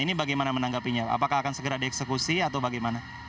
ini bagaimana menanggapinya apakah akan segera dieksekusi atau bagaimana